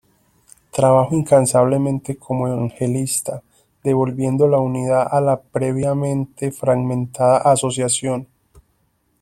Trabajó incansablemente como evangelista, devolviendo la unidad a la previamente fragmentada Asociación.